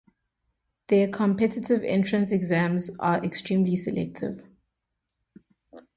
Their competitive entrance exams are extremely selective.